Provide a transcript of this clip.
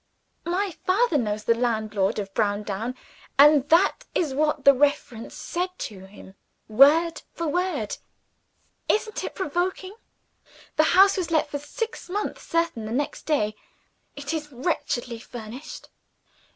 My father knows the landlord of Browndown; and that is what the reference said to him, word for word. Isn't it provoking? The house was let for six months certain, the next day. It is wretchedly furnished.